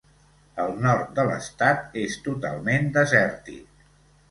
El nord de l'estat és totalment desèrtic.